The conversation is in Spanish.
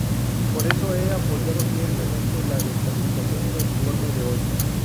Por eso he apoyado firmemente la desclasificación del informe de hoy.